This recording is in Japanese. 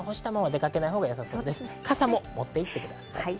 傘を持っていってください。